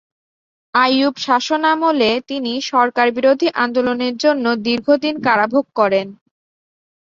আইয়ুব শাসনামলে তিনি সরকার বিরোধী আন্দোলনের জন্য দীর্ঘদিন কারাভোগ করেন।